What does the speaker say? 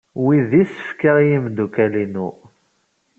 Wi d isefka i yimeddukal-inu.